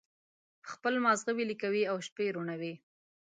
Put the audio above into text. خپل مازغه ویلي کوي او شپې روڼوي.